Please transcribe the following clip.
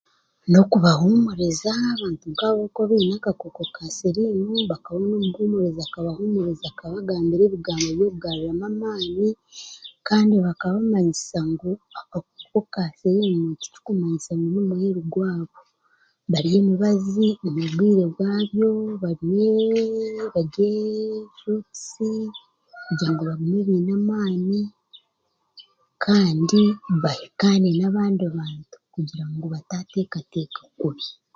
N'okubaahumuriza abantu nkabo abokuba baine akooko ka sirimu bakabona omuhuumuriza akabahuumuriza akabagambira ebigambo by'okugaruramu amaani kandi bakabamanyisa ngu akooko ka siriimu tikikumanyisa ngu niyo muheru gwabo barye emibazi omu bwire bwayo barye barye furutisi kugira bagume baine amaani kandi bahikaane n'abandi bantu kugira ngu bataateekateeka kubi